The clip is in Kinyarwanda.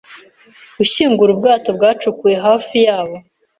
gushyingura ubwato bwacukuwe hafi ya bo